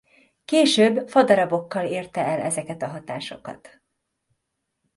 Később fadarabokkal érte el ezeket a hatásokat.